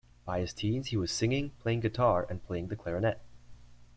By his teens, he was singing, playing guitar, and playing the clarinet.